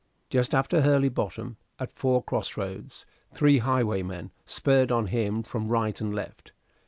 Just after Hurley Bottom, at four cross roads, three highwaymen spurred on him from right and left.